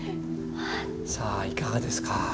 さあいかがですか？